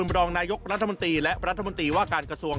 มรนายกรรธมุตรีและรัฐรถมุตรีว่าการกระทรวง